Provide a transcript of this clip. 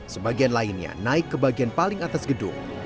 sebagian lainnya naik ke bagian paling atas gedung